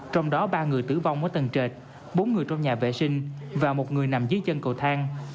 trong đó ba người tử vong ở tầng trệt bốn người trong nhà vệ sinh và một người nằm dưới chân cầu thang